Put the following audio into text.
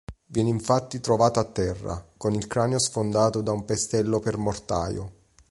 Viene infatti trovato a terra, con il cranio sfondato da un pestello per mortaio.